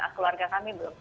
keluarga kami belum